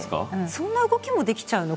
「そんな動きもできちゃうの？